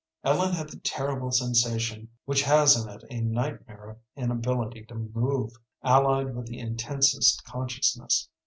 Ellen had the terrible sensation which has in it a nightmare of inability to move, allied with the intensest consciousness.